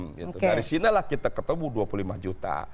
dari sinilah kita ketemu dua puluh lima juta